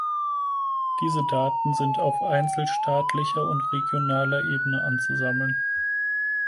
Diese Daten sind auf einzelstaatlicher und regionaler Ebene anzusammeln.